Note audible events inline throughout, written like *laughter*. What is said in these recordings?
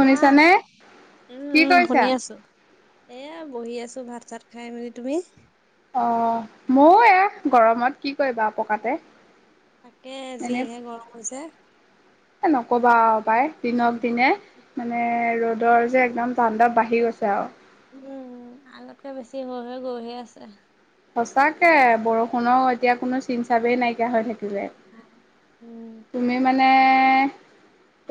কোৱা উম কি উম কৰিছা? শুনি আছো এয়া বহি আছো ভাত- চাত খাই মেলি তুমি অ ময়ো এয়া গৰমত কি কৰিবা পকাতে তাকে এনেই যিহে এ গৰম হৈছে নকবা আৰু পাই দিনক দিনে মানে ৰ'দৰ যে একদম তাণ্ডৱ বাঢ়ি গৈছে আৰু উম আগতকে বেছি হৈ হৈ গৈহে আছে সঁচাকে বৰষুণৰ এতিয়া কোনো চিন চাবেই নাইকিয়া হৈ থাকি লে উম তুমি মানে এ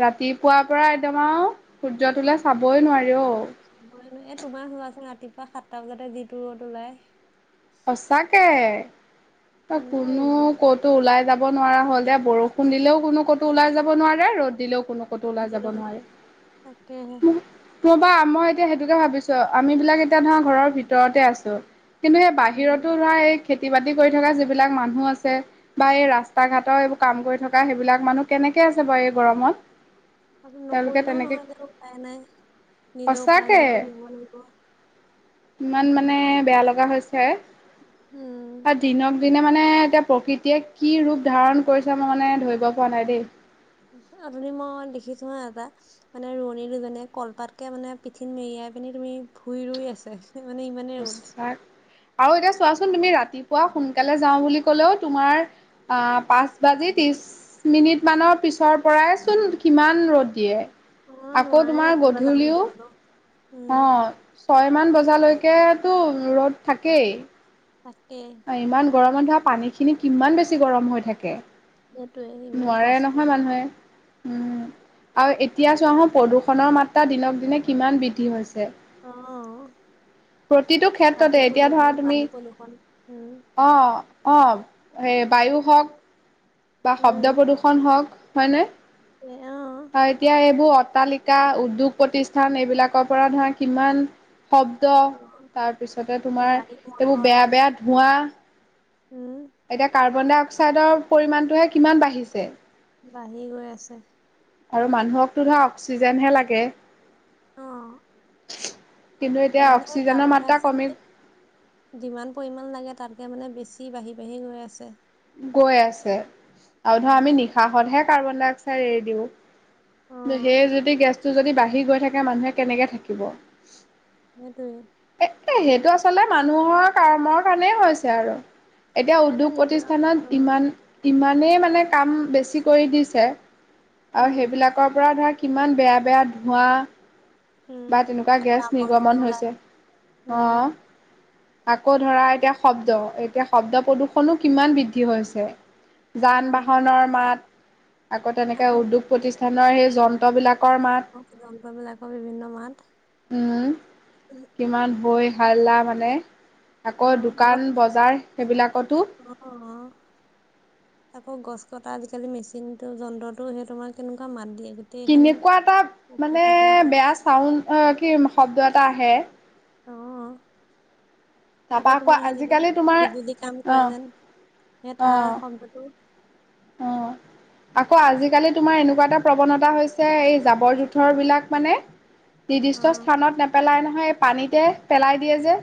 ৰাতিপুৱাৰ পৰা একদম আৰু সূৰ্য্যটোলে চাবই নোৱাৰি অ এ তোমাৰ হোৱাচোন ৰাতিপুৱা সাতটা বজাতে যিটো ৰ'দ ওলাই সচাকে তই কেনেকুৱা ৰ'দ কোনো ওলাই ক'তো ওলাই যাব নোৱাৰা হ'ল দে বৰষুণ দিলেও কোনো ক'তো ওলাই যাব নোৱাৰে ৰ'দ দিলেও কোনো ক'তো ওলাই যাব দিলেও নোৱাৰে নোৱাৰি। তাকেহে কবা মই এতিয়া সেইটোকে ভাবিছো আমি বিলাক এতিয়া ধৰা ঘৰৰ ভিতৰতে আছো কিন্তু সেই বাহি উম বাহিৰতো ধৰা এই খেতি বাতি কৰি থকা যিবিলাক মানুহ আছে বা এই ৰাস্তা ঘাটৰ এইবোৰ কাম কৰি থকা সেইবিলাক মানুহ কেনেকে আছে বাৰু এই গৰমত তেওঁলোকে নকৰিলেও তেনেকে নহয় উপায় নাই নিজৰ সঁচাকে উপাৰ্জন কৰিবই লাগিব ইমান মানে বেয়া লগা হৈছে উম দিনক দিনে মানে এতিয়া প্ৰকৃতিয়ে কি ৰূপ ধাৰণ কৰিছে মই মানে ধৰিব পৰা নাই দেই অথনি মই দেখিছো হা এটা মানে ৰোৱনী দুজনে কলপাতকে মানে পিঠিন মেৰিয়াই পিনি তুমি ভুই ৰুই আছে মানে ইমানেই ৰ'দ আৰু এতিয়া চোৱাচোন তুমি ৰাতিপুৱা সোনকালে যাওঁ বুলি ক'লেও তোমাৰ পাঁচ বাজি ত্ৰিশ মিনিট মানৰ পিছৰ পৰাই চোন কিমান ৰ'দ দিয়ে অ আকৌ নোৱাৰে তোমাৰ ৰাতিপুৱা যাওঁ গধূলিও বুলি ক'লেও উম অ ছয়মান বজালৈকে তো ৰ'দ থাকেই তাকে ইমান গৰমত ধৰা পানীখিনি কিমান বেছি গৰম হৈ থাকে সেইটোয়ে ইমান কষ্ট উ আৰু এতিয়া চোৱাহো প্ৰদূষণৰ মাত্ৰা দিনক দিনে কিমান বৃদ্ধি হৈছে অ প্ৰতিটো মাটি ক্ষেত্ৰতে এতিয়া ধৰা প্ৰদূষণ তুমি পানী প্ৰদূষণ উম অ অ সেই বায়ু হওঁক বা শব্দ উম প্ৰদূ্ষন হওঁক হয় নে এ অ এতিয়া এইবোৰ তালিকা উদ্যোগ প্ৰতিষ্ঠান এইবিলাকৰ পৰা ধৰা কিমান শব্দ অ তাৰপিছতে তোমাৰ গাড়ী এইবোৰ মটৰ বেয়া বেয়া ধোঁৱা উম এতিয়া কাৰ্বন ডাই অক্সাইডৰ পৰিমণটোহে কিমান বাঢ়িছে বাঢ়ি গৈ আছে আৰু মানুহকতো ধৰা অক্সিজেনহে লাগে অ কিন্তু এতিয়া মানে অক্সিজেনৰ কাৰ্বন ডাই মাত্ৰা অক্সাইড কমি যে যিমান পৰিমান লাগে তাতকে মানে বেছি বাঢ়ি বাঢ়ি গৈ আছে গৈ আছে আৰু ধৰ উম আমি নিশাহতহে কাৰ্বন ডাই অক্সাইড এৰি দিওঁ অ সেই যদি গেছটো যদি বাঢ়ি গৈ থাকে মানুহে কেনেকে থাকিব সেইটোৱেই এ সেইটো আচলতে মানুহৰ কামৰ কাৰণেই হৈছে আৰু এতিয়া সেইটো উদ্যোগ নিজৰ অ প্ৰতিষ্ঠানত ইমান ইমানেই মানে কাম বেছি কৰি দিছে আৰু উম সেইবিলাকৰ পৰা ধৰা কিমান বেয়া বেয়া ধোঁৱা উম বা তেনেকুৱা আকৌ গেছ আৱৰ্জনা নিৰ্গমন ওলাই হৈছে অ উম আকৌ ধৰা এতিয়া শব্দ এতিয়া শব্দ প্ৰদূৰ্ষনো কিমান বৃদ্ধি হৈছে অ যান বাহনৰ মাত আকৌ তেনেকে উদ্যোগ প্ৰতিষ্ঠানৰ সেই যন্ত্ৰবিলাক আকৌ যন্ত্ৰবিলাকৰ বিভিন্ন মাত উম কিমান বৈ হালা মানে আকৌ অ' দোকান আগত বজাৰ সেইবিলাকতো অ' আকৌ গছ কটা আজিকালি মেচিনতটো যন্ত্ৰটো সেই তোমাৰ কেনেকুৱা মাত দিয়ে গোটেইখন কেনেকুৱা এটা কঁপি মানে থাকে অ' বেয়া চাউণ্ড কি শব্দ এটা আহে অ' তাৰপা আকৌ তোমাৰ হেৰি যেন আজিকালি তোমাৰ বিজুলী কাম কৰে অ', যেন হে তাৰ অ', শব্দটো অ আকৌ আজিকালি তোমাৰ এনেকুৱা এটা প্ৰৱণতা হৈছে এই জাবৰ জোথৰ বিলাক মানে নিৰ্দিষ্ট অ' স্থানত নেপেলাই নহয় এই পানীতে পেলাই দিয়ে যে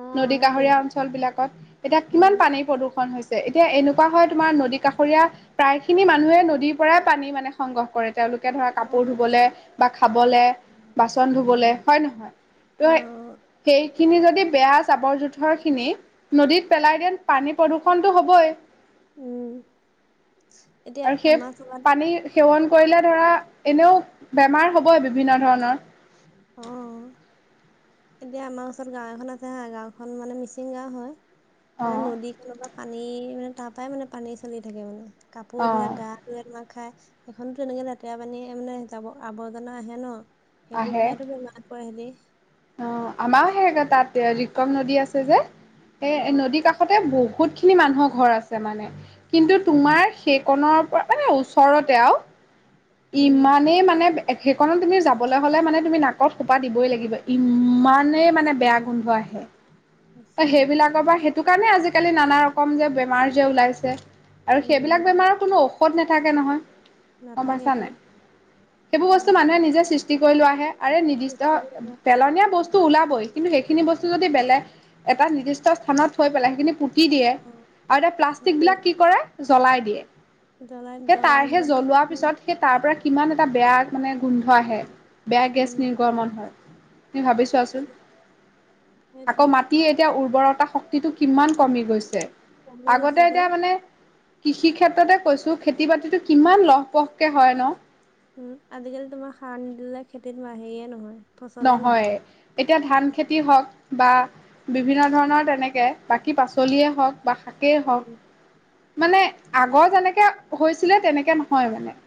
অ' নদী সেইটোৱে কাষৰীয়া অঞ্চল বিলাকত এতিয়া কিমান উম পানী প্ৰদূৰ্ষণ হৈছে এতিয়া এনেকুৱা হয় তোমাৰ নদী কাষৰীয়া প্ৰায় খিনি মানুহে নদীৰ পৰাই পানী মানে সংগ্ৰহ কৰে তেওঁলোকে ধৰা কাপোৰ অ' ধুবলে বা। খাবলে, বাচন ধুবলে হয় নহয় অ' ত। সেইখিনি যদি বেয়া জাবৰ জোথৰ খিনি নদীত পেলাই দেন পানী প্ৰদূষণ টো হবই। উম। এতিয়া আৰু সেই আমাৰ চোবাত পানী সেৱন। কৰিলে ধৰা এনেও বেমাৰ হবই বিভিন্ন ধৰণৰ। অ' এতিয়া আমাৰ ওচৰত গাঁও এখন আছে হা গাঁওখন মানে মিচিং গাওঁ হয় অ মানে নদী খনবা। পানী মানে তাৰ পৰাই মানে পানী চলি থাকে মানে কাপোৰ অ ধুৱে গা ধুৱে তোমাৰ খায়। সেইখনতো এনেকে লেতেৰা পানীয়ে মানে জাবৰ আৱৰ্জনা আহে ন। সেইবোৰ আহে খাইতো বেমাৰ পৰে হেতি। অ আমাও সে তাত ৰিকম নদী আছে যে অ সেই নদীৰ কাষতে বোক। বহুত খিনি মানুহৰ ঘৰ আছে মানে কিন্তু তোমাৰ সেইকণৰ। মানে ওচৰতে আৰু উম ইমানেই মানে। সেইখনণত তুমি যাবলৈ হ'লে মানে তুমি নাকত সোপা দিবই লাগিব ইমানেই মানে বেয়া গোন্ধ আহে। ত আচ্ছা সেইবিলাকৰ পৰা সেইটো কাৰণে আজিকালি নানা ৰকম যে বেমাৰ যে ওলাইছে। আৰু সেইবিলাক উম বেমাৰৰ কোনো ঔষধ নাথাকে নহয়। গম নাথাকে। পাইছা সেইবোৰ বস্তু মানুহে নিজে সৃষ্টি কৰি লোৱাহে। আৰে নিৰ্দিষ্ট সৃষ্টি কৰি পেলনীয়া বস্তু। তো ওলাবই কিন্তু সেইখিনি বস্তু যদি বেলেগ এটা নিৰ্দিষ্ট স্থানত থৈ পেলাই সেইখিনি পুতি। কি দিয়ে অ আৰু এয়া প্লাষ্টিক বিলাক কি কৰে জ্বলাই দিয়ে। দলাৰ সেই তাৰ সেই দলাললৈ। জ্বলোৱাৰ পিছত সেই তাৰ পৰা কিমান এটা বেয়া মানে গোন্ধ আহে বেয়া উম গেছ নিৰ্গমন হয়। তুমি ভাবি তাকে চোৱাচোন আকৌ সেইটোৱে মাটি এতিয়া উৰ্বৰৰ। টা শক্তিটো কিমান কমি গৈছে কমি আগতে গৈছেতো এতিয়া মানে। কৃষি ক্ষেত্ৰতে কৈছো খেতি বাতিটো কিমান লহপহকে হয় ন। উম আজিকালি তোমাৰ সাৰ নিদিলে খেতিত মাহেই নহয়। নহয় এতিয়া ধান উম খেতি হওঁক। বা বিভিন্ন ধৰণৰ তেনেকৈ বাকী পাচলিয়েই হওক। বা শাকেই হওক উম মানে আগৰ যেনেকে হৈছিলে তেনেকে নহয় মানে।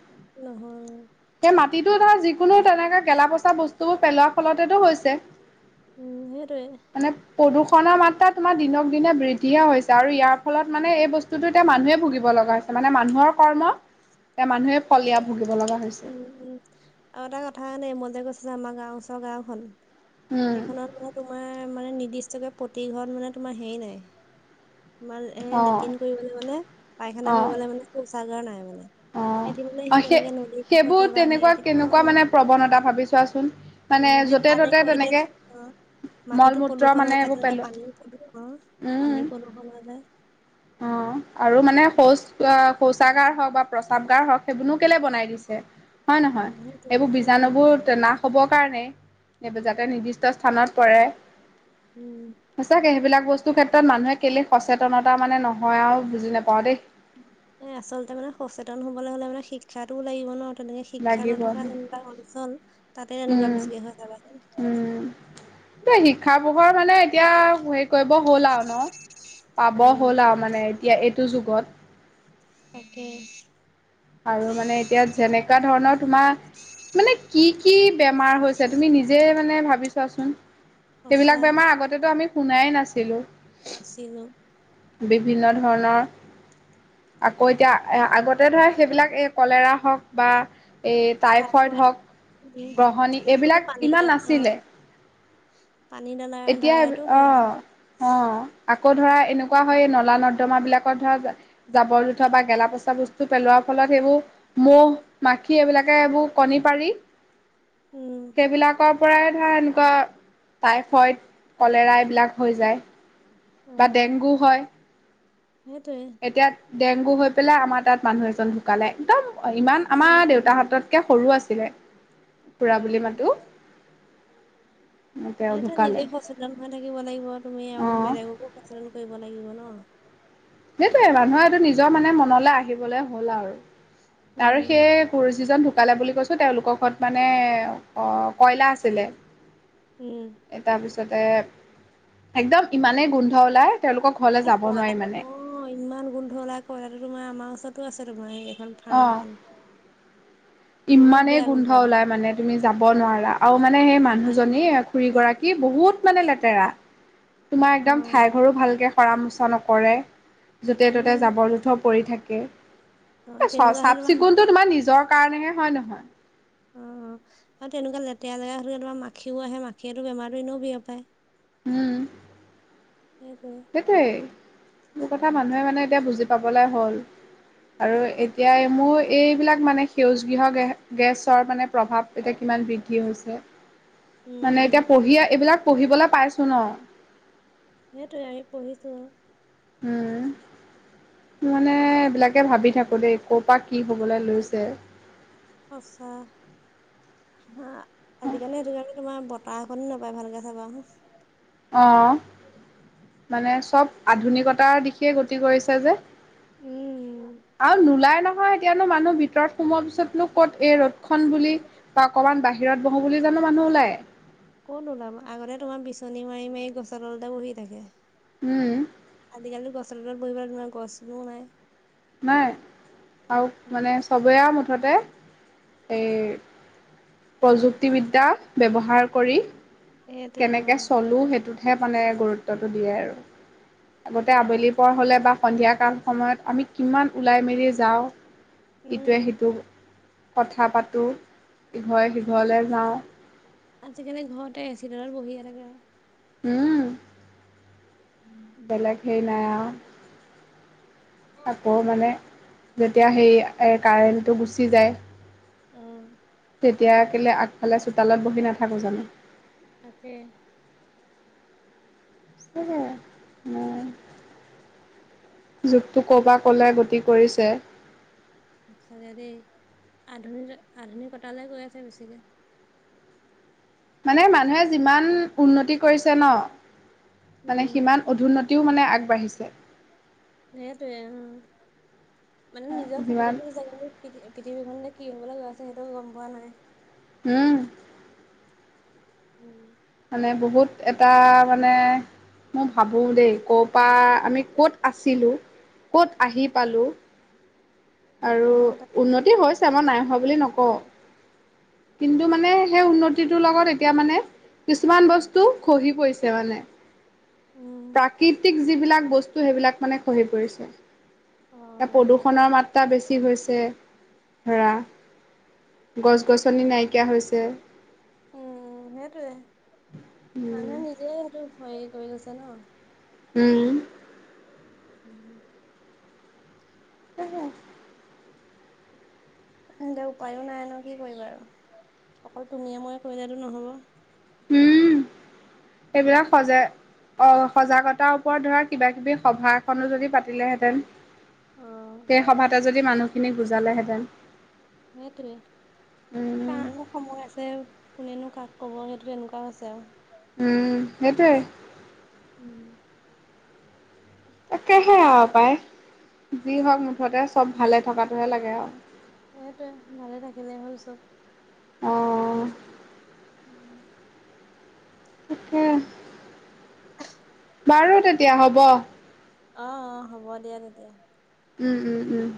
নহয়। সেই মাটিতো ধৰা যিকোনো তেনেকা গেলা পচা বস্তুবোৰ পেলোৱাৰ ফলতেটো হৈছে। উম সেইটোয়ে। মানে প্ৰদূষণৰ মাত্ৰা তোমাৰ দিনক দিনে বৃদ্ধিয়ে হৈছে আৰু ইয়াৰ ফলত মানে এই বস্তুটো এতিয়া মানুহে ভুগিব লাগে। লগা হৈছে মানে মানুহৰ কৰ্ম। এতিয়া মানুহে ফল এয়া ভুগিব লগা হৈছে উম উম আৰু এটা কথা দেই ম‌ই যে কৈছো। পিছে আমাৰ গাওঁ ওচৰৰ গাওঁ খন উম সেইখনত মানে তোমাৰ মানে নি। বিশ টকা প্ৰতি ঘৰত মানে তোমাৰ হেৰি নাই। তোমাৰ এ অ লেটিন কৰিবলৈ মানে পায়খানা অ কৰিবলৈ মানে শৌচাগাৰ নাই মানে। অ সেইটো মানে অ সেই তেনেকে নদীৰ কাষতে সেইবোৰ বা তেনেকুৱা হেৰিতে কেনেকুৱা অ', মানে প্ৰৱণতা ভাবি চোৱাচোন। মানে উম সেই য'তে তাৰে ত'তে কৰি দে। তেনেকে মল মাটিতো মূত্ৰ প্ৰদূষন মানে হৈ যায় এইবোৰ তেনে পেলোৱা পানী অ উম। পানী প্ৰদূষন হৈ যায়। অ। আৰু মানে শৌচ শৌচাগাৰ হওক বা প্ৰসাদ গাৰ হওক সেইবোৰনো কেলে বনাই দিছে। হয় অ', নহয় সেইটোৱে এইবোৰ উম, বীজাণু বোৰ নাশ হব। যাতে নিৰ্দিষ্ট স্থানত পৰে উম। সঁচাকে সেইবিলাক। বস্তু ক্ষেত্ৰত মানুহে কেলে সচেতনতা মানে নহয় আৰু বুজি নাপাওঁ দেই। এ আচলতে মানে সচেতন হ'বলৈ হ'লে মানে শিক্ষাটোও লাগিব ন। তেনেকে শিক্ষা লাগিব নথকা যোনবিলাক অঞ্চল। তাতে এনেকুৱা উম, বেছিকে হয় চাবাচোন। খাৰ পোহৰ মানে এতিয়া হেৰি কৰিব হ'ল আৰু ন পাব উম হ'ল আৰু মানে এতিয়া এইটো স যুগত *unintelligible* তাকে আৰু মানে এতিয়া যেনেকুৱা ধৰণৰ তোমাৰ মানে কি কি বেমাৰ হৈছে তুমি নিজে মানে ভাবি চোৱাচোন সঁচা সেইবিলাক বেমাৰ আগতেতো আমি শুনাই নাছিলো নাছিলো বিভিন্ন ধৰণৰ আকৌ এতিয়া আগতে ধৰে সেইবিলাক এই কলেৰা হওঁক বা এই টাইফইড তাৰপৰি হওঁক উম গ্ৰহণী সেইবোৰতো এইবিলাক পানী দা ইমান অ নাছিলে পানী দালা এতিয়া দ্বাৰাইতো হয় ন। অহ অহ আকৌ ধৰা এনেকুৱা হয় নলা নৰ্দমা বিলাকৰ ধৰা জাবৰ জোথৰ বা গেলা পচা বস্তু পেলো পেলোৱাৰ ফলত সেইবোৰ মহ মাখি এইবিলাকে এইবোৰ কণী পাৰি উম সেইবিলাকৰ পৰাই ধৰা এনেকুৱা তাই হয় কলেৰা এইবিলাক হৈ যায় অ বা ডেংগু হয় সেইটোৱে এতিয়া ডেংগু হৈ পেলাই আমাৰ তাত মানুহ এজন ঢুকালে একদম ইমান উম আমাৰ দেউতা উম হাততকে সৰু আছে যে খুডা বুলি উম মাতো তেওঁ এইটো ঢুকালে নিজে সচেতন হৈ থাকিব লাগিব তুমি আৰু অ', বেলেগকো সচেতন কৰিব লাগিব ন সেইটোয়ে মানুহ এইটো নিজৰ মানে মনলৈ আহিবলে হ'ল আৰু আৰু উম সেই গুৰু যিজন ঢুকালে বুলি কৈছোঁ তেওঁলোকৰ ঘৰত মানে কয়লা আছিলে উম যাতে একদম ইমানেই গোন্ধ ওলাই তেওঁলোকৰ ঘৰলে যাব নোৱাৰি মানে অহ ইমান গোন্ধ উলা কয়লাতো তোমাৰ আমাৰ ওচৰতো আছে তোমাৰ এই এখন ফাৰ্ম অঁ এখন ইমানেই গোন্ধ ওলাই মানে তুমি যাব নোৱাৰা আৰু মানে সেই উম, আৰু মানুহজনী খুৰী মা গৰাকী বহুত মানে লেতেৰা তোমাৰ অ একদম ঠাই ঘৰো ভালকে সৰা মোচা নকৰে যতে ত'তে উম জাবৰ জোথৰ পৰি থাকি কে অ তেনেকুৱা হ'লে চাফ তোমাৰ মা চিকুণতটো তোমাৰ নিজৰ কাৰণেহে হয় নহয় অহ আৰু তেনেকুৱা লেতেৰা জেগৰা হ তোমাৰ মাখিও আহে মাখিয়ো বেমাৰতো এনেও বিয়পাই পায় উম। সেইটোৱে সেইটোই মোৰ কথা উম। মানুহে মানে এতিয়া বুজি পাবলে হ'ল। আৰু তাকে এতিয়া মোৰ এইবিলাক মানে সেউজ গৃহ গেছৰ মানে প্ৰভাৱ এতিয়া কিমান বৃদ্ধি হৈছে। উম মানে উম এতিয়া পঢ়ি এইবিলাক পঢ়িবলৈ পাইছো ন। সেইটোৱে আমি পঢ়িছো আৰু উম মানে এইবিলাকে ভাবি থাকো দেই ক' পৰা কি হবলৈ লৈছে সঁচা হা আজিকালি সেইটো কাৰণে তোমাৰ বতাহ এখনি নাপায় ভালকে চাবা অহ মানে চব আধুনিকতাৰ দিশে গতি কৰিছে যে উম আৰু নোলাই ন ন এতিয়ানো মানুহ ভিতৰত সোমোৱাৰ পিছতনো ক'ত এই ৰ'দ খন বুলি বা অকনমান বাহিৰত বহো বুলি জানো না মানুহ ওলাই কত নোলাম আগতে তোমাৰ বিচনী মাৰি মাৰি গছৰ তলতেটা বহি থাকে উম চেন্দেলত বহিবলে গছনোও নাই নাই আৰু উম। মানে চবে মতে মুঠতে এই। প্ৰযুক্তিবিদ্যা ব্যৱহাৰ কৰি। সেইটোৱে অ কেনেকে চলোঁ সেইটোতহে মানে গুৰুত্বটো দিয়ে আৰু। আগতে তাকে আবেলি পৰ হলে বা সন্ধিয়া কাল সময়ত আমি কিমান ওলাই মেলি যাওঁ। ইটোৱে উম সিটো। কথা পাতোঁ ইঘৰে সিঘৰলৈ যাওঁ। আজিকালি ঘৰতে এচি তলত বহি এনেকে উম। উম। বেলেগ সেইৰি নাই আও, আকৌ মানে যেতিয়া সেই কাৰেণ্টটো গুচি যায়। উম। তেতিয়া কেলে আগফালে চোতালত বহি নাথাকোঁ জানো। তাকে। সেইটোৱে উম। যুগটো ক'পা ক'লে গতি কৰিছে। সঁচাকে দেই আধুনিক আধুনিকতালৈ গৈ আছে বেছিকে। মানে মানুহে যিমান উন্নতি কৰিছে ন উম মানে সিমান অধুন্নতি ও মানে আগবাঢ়িছে। সেইটোয়ে উম মানে নিজৰ যিমান সুবিধাটো জাগ পৃথিৱীখনতে কি হয়। কলে গৈ আছে সেইটো গম পোৱা নাই। উম। উম। মানে বহুত এটা মানে মই ভাবো দেই ক' পৰা আমি কত আছিলো ক'ত আহি পালো। আৰু অ তাকে উন্নতি হৈছে আমাৰ নাই হোৱা বুলি বুলি নকওঁ, কিন্তু মানে সেই উন্নতিটোৰ লগত এতিয়া মানে কিছুমান বস্তু খহি পৰিছে মানে, উম প্ৰাকৃতিক যিবিলাক বস্তু সেইবিলাক মানে খহি পৰিছে, অ। এ প্ৰদূষণৰ মাত্ৰ টা বেছি হৈছে ধৰা। গছ গছনি নাইকিয়া হৈছে। উম সেইটোয়ে উম মানুহে নিজে সটো। *unintelligible* হয় এই কৰি গৈছে ন। উম। *unintelligible* *inaudible* হে হে *unintelligible* তিয়া উপায়ো নাই ন কি কৰিবা আৰু অকল তুমিয়ে ময় কৈ যো নহব। উম এইবিলাক সজে। অ সজাগতাৰ ওপৰত ধৰা কিবা কিবি সভা এখনো যদি পাতিলেহেঁতেন। সেই সভাতে যদি মানুহখিনি বুজালেহেঁতেন। সেইটোৱে উম কাৰো সময় আছে কোনেনো ক'ব সেইটো এনেকুৱও আছে। উম সেইটোৱে। উম *unintelligible* তাকেহে আৰু পায়, যি হওঁক মুঠতে চব ভালে থকাটোহে লাগে আও। এইটোৱে ভালে থাকিলে হ'ল চব। অহঁ। উম *unintelligible* তাকে। বাৰু তেতিয়া হ'ব। আহ অ হ'ব দিয়া তেতিয়া। উম উম উম।